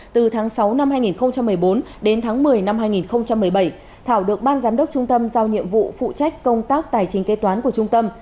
từ tháng sáu năm hai nghìn một mươi bốn đến tháng một mươi năm hai nghìn một mươi bảy thảo được ban giám đốc trung tâm giao nhiệm vụ phụ trách công tác tài chính kế toán của trung tâm